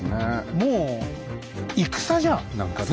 もう戦じゃん何かね。